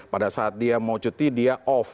pada saat dia mau cuti dia off